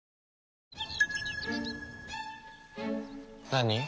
何？